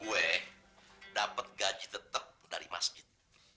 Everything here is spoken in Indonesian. gue dapat gaji tetap dari masjid